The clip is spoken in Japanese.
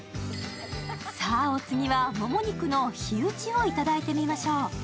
さあ、お次がもも肉のヒウチをいただいてみましょう。